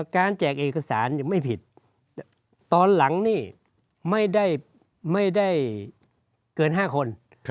แจกเอกสารไม่ผิดตอนหลังนี่ไม่ได้เกิน๕คน